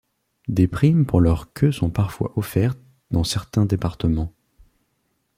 Des primes pour leurs queues sont parfois offertes dans certains départements.